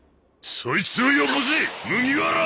そいつをよこせ麦わら！